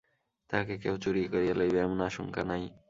তাহাকে কেহ চুরি করিয়া লইবে, এমন আশঙ্কা নাই।